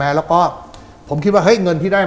บางคนก็สันนิฐฐานว่าแกโดนคนติดยาน่ะ